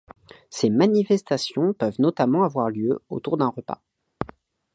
Ces manifestations peuvent notamment avoir lieu autour d’un repas.